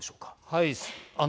はい。